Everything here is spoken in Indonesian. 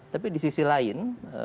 tapi di sisi lain